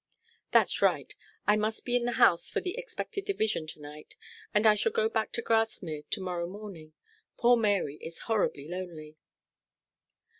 'That's right. I must be in the House for the expected division to night, and I shall go back to Grasmere to morrow morning. Poor Mary is horribly lonely.'